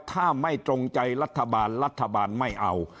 ถ้าไม่ตรงใจรัฐบาลรัฐบาลไม่เอา